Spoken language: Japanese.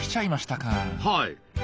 はい。